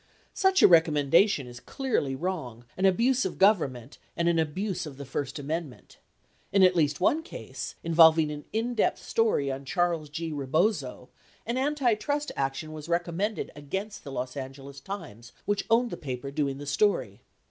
64 Such a recommendation is clearly wrong, an abuse of Gov ernment, and an abuse of the first amendment. In at least one case, involving an in depth story on Charles G. Rebozo, an antitrust action was recommended against the Los Angeles Times, which owned the paper doing the story